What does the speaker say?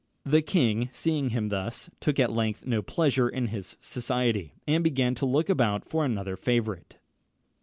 The king, seeing him thus, took at length no pleasure in his society, and began to look about for another favourite.